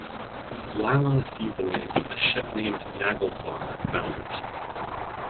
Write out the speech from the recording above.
While on a sea voyage, a ship named "Naglfar" founders.